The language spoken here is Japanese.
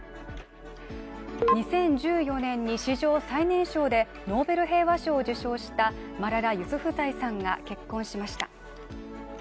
２０１４年に史上最年少でノーベル平和賞を受賞したマララ・ユスフザイさんが結婚しました。